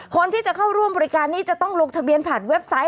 คนที่จะเข้าร่วมบริการนี้จะต้องลงทะเบียนผ่านเว็บไซต์